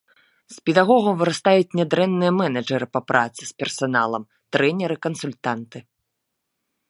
З педагогаў вырастаюць нядрэнныя мэнэджары па працы з персаналам, трэнеры, кансультанты.